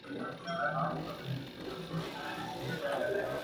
Para sobrevivir en campo abierto, deben estar atentos todo el tiempo.